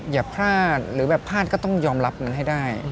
อย่าพลาดหรือแบบพลาดก็ต้องยอมรับมันให้ได้